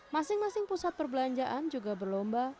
masing masing pusat perbelanjaan juga berlomba